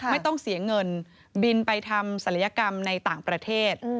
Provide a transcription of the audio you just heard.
ไม่ต้องเสียเงินบินไปทำศัลยกรรมในต่างประเทศ